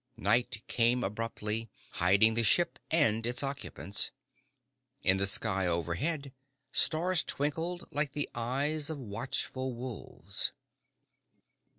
Night came abruptly, hiding the ship and its occupants. In the sky overhead, stars twinkled like the eyes of watchful wolves.